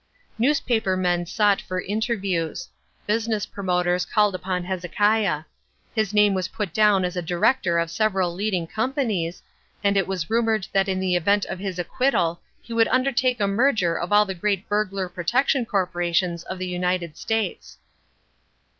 Newspaper men sought for interviews. Business promoters called upon Hezekiah. His name was put down as a director of several leading companies, and it was rumoured that in the event of his acquittal he would undertake a merger of all the great burglar protection corporations of the United States.